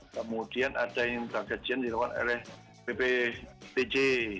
kemudian ada yang dragajian di luar oleh bppj